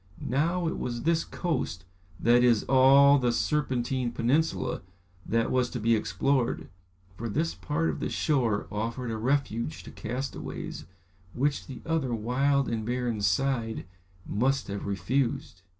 Now, it was this coast, that is, all the Serpentine peninsula, that was to be explored, for this part of the shore offered a refuge to castaways, which the other wild and barren side must have refused.